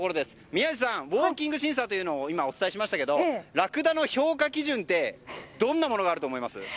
宮司さん、ウォーキング審査とお伝えしましたがラクダの評価基準ってどんなものがあるかと思います？